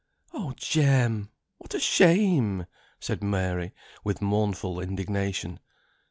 "Oh Jem! what a shame!" said Mary, with mournful indignation.